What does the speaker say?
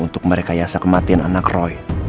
untuk merekayasa kematian anak roy